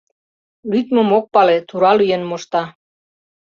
Лӱдмым ок пале, тура лӱен мошта.